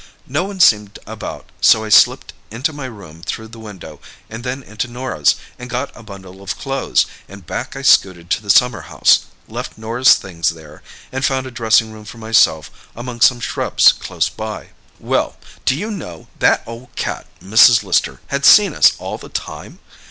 No one seemed about, so I slipped into my room through the window and then into Norah's, and got a bundle of clothes, and back I scooted to the summer house, left Norah's things there, and found a dressing room for myself among some shrubs close by. "Well, do you know, that old cat, Mrs. Lister, had seen us all the time?